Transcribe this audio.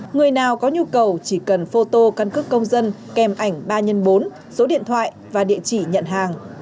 người nào có nhu cầu chỉ cần phô tô căn cứ công dân kèm ảnh ba x bốn điện thoại và địa chỉ nhận hàng